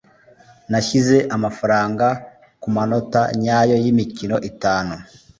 Nashyize amafaranga ku manota nyayo yimikino itanu